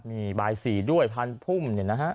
มีบาย๔ด้วยพันพุ่มเนี่ยนะฮะ